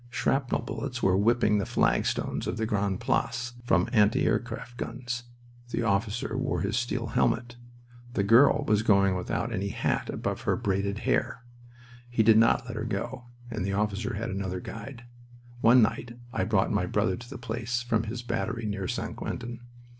Shrapnel bullets were whipping the flagstones of the Grande Place, from anti aircraft guns. The officer wore his steel helmet. The girl was going out without any hat above her braided hair. We did not let her go, and the officer had another guide. One night I brought my brother to the place from his battery near St. Quentin.